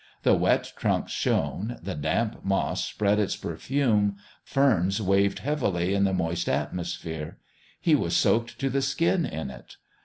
The wet trunks shone, the damp moss spread its perfume, ferns waved heavily in the moist atmosphere. He was soaked to the skin in it.